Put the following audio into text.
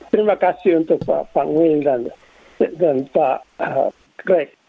terima kasih untuk pak pangwil dan pak greg